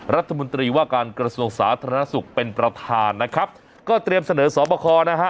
รัฐมนตรีว่าการกระทรวงสาธารณสุขเป็นประธานนะครับก็เตรียมเสนอสอบคอนะฮะ